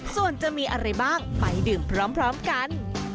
ส่วนจะมีอะไรบ้างไปดื่มพร้อมกัน